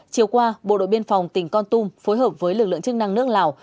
chiều qua bộ đội biên phòng tỉnh con tum phối hợp với lực lượng chức năng nước lào